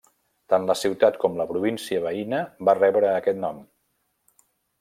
Tant la ciutat com la província veïna va rebre aquest nom.